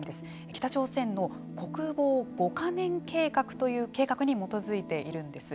北朝鮮の国防５か年計画という計画に基づいているんです。